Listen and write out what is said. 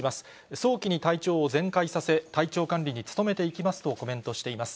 早期に体調を全快させ、体調管理に努めていきますとコメントしています。